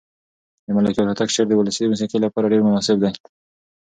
د ملکیار هوتک شعر د ولسي موسیقۍ لپاره ډېر مناسب دی.